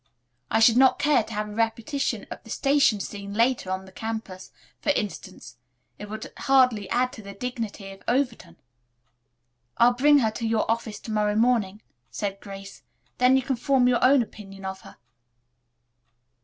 I should not care to have a repetition of the station scene later, on the campus, for instance. It would hardly add to the dignity of Overton." "I'll bring her to your office to morrow morning," said Grace, "then you can form your own opinion of her."